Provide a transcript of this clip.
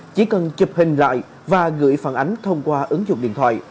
chỉ cần chụp hình lại và gửi phản ánh thông qua ứng dụng điện thoại